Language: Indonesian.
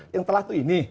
yang telah tuh ini